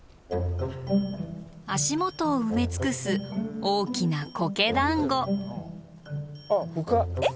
足元を埋め尽くす大きなコケだんご。